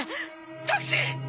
タクシー！